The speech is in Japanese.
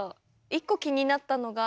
一個気になったのが。